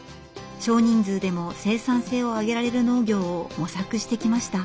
少人数でも生産性を上げられる農業を模索してきました。